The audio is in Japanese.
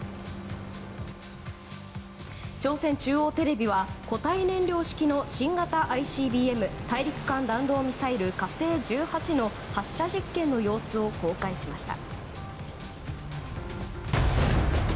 朝鮮中央テレビは固体燃料式の新型ＩＣＢＭ・大陸間弾道ミサイル「火星１８」の発射実験の様子を公開しました。